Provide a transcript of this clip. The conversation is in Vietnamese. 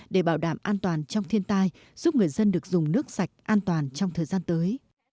để bảo đảm an toàn trong thiên tai giúp người dân được dùng nước sạch an toàn trong thời gian tới